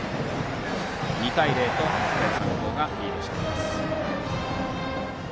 ２対０と日大三高がリードしています。